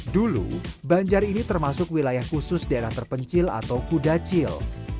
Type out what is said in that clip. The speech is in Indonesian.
dulu banjar ini termasuk wilayah khusus daerah terpencil atau kudacil